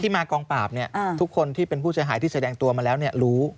ที่มากองปราบเนี่ยทุกคนที่เป็นผู้ชายหายที่แสดงตัวมาแล้วเนี่ยรู้